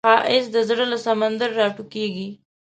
ښایست د زړه له سمندر راټوکېږي